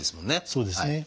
そうですね。